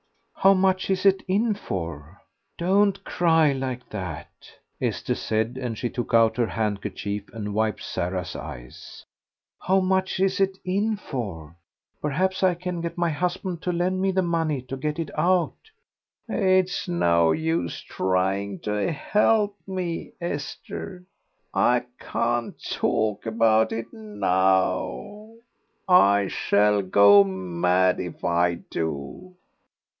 "How much is it in for? Don't cry like that," Esther said, and she took out her handkerchief and wiped Sarah's eyes. "How much is it in for? Perhaps I can get my husband to lend me the money to get it out." "It's no use trying to help me.... Esther, I can't talk about it now; I shall go mad if I do."